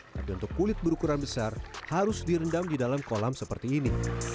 dan untuk kulit berukuran besar harus direndam di dalam kolam seperti ini